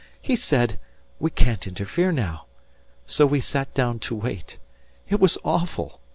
He said: 'We can't interfere now.' So we sat down to wait. It was awful.